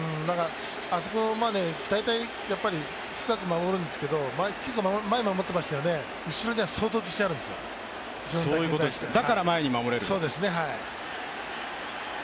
あそこまで大体深く守るんですけど、結構前守ってましたよね、後ろには相当自信があるんですよ、後ろの打球に対しては。